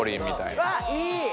わっいい！